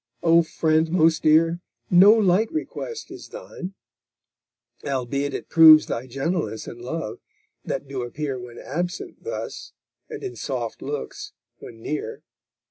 O friend most dear! No light request is thine; albeit it proves Thy gentleness and love, that do appear When absent thus, and in soft looks when near.